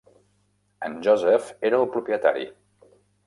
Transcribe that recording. En Joseph era el propietari.